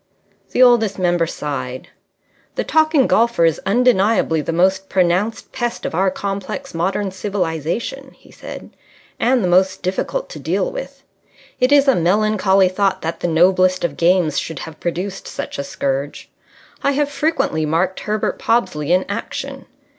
The Oldest Member sighed. "The talking golfer is undeniably the most pronounced pest of our complex modern civilization," he said, "and the most difficult to deal with. It is a melancholy thought that the noblest of games should have produced such a scourge. I have frequently marked Herbert Pobsley in action.